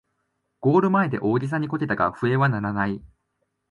ゴール前で大げさにこけたが笛は鳴らない